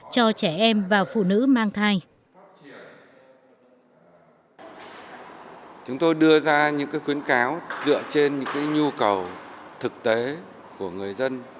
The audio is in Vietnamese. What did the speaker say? cho trẻ em và phụ nữ mang thai